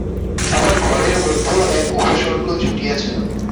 আবার ঘরের মধ্যেও এক উপসর্গ জুটিয়াছিল।